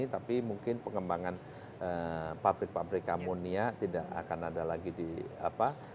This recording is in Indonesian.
tapi mungkin pengembangan pabrik pabrik amonia tidak akan ada lagi di apa